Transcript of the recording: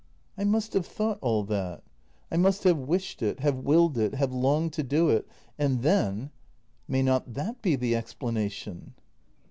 ] I must have thought all that. I must have wished it — have willed it — have longed to do it. And then . May not that be the explanation